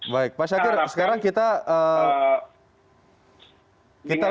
baik pak syakir sekarang kita